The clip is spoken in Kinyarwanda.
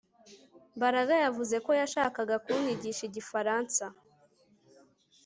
Mbaraga yavuze ko yashakaga kunyigisha igifaransa